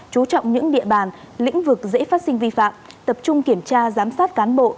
chú trọng những địa bàn lĩnh vực dễ phát sinh vi phạm tập trung kiểm tra giám sát cán bộ